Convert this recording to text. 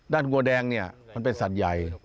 วัวแดงเนี่ยมันเป็นสัตว์ใหญ่